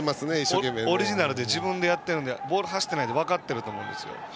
オリジナルで自分でやっているのでボールが走ってないって分かってると思うんですよ。